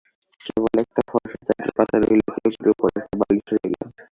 কেবল একটি ফরসা চাদর পাতা রহিল চৌকির উপরে, একটা বালিশও রহিল।